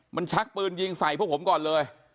มันชักปืนยิงใส่พวกผมก่อนเลย